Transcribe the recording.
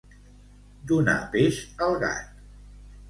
Donar peix al gat.